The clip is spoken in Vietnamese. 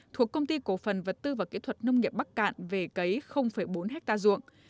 thuộc công ty cổ phần vật tư và kỹ thuật nông nghiệp bắc cạn về cấy bốn hectare ruộng